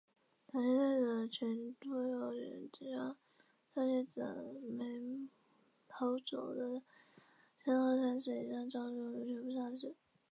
唐玹带着郡督邮将赵岐等没逃走的身高三尺以上的赵氏宗族全部杀死。